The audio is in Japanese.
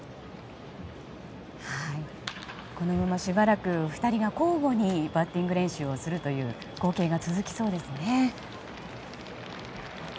このまま、しばらく２人が交互にバッティング練習をするという光景が続きそうですね。